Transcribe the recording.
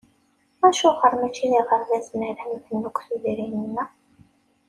Acuɣer mačči d iɣerbazen ara nbennu deg tudrin-nneɣ?